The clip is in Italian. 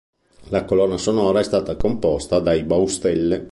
La colonna sonora è stata composta dai Baustelle.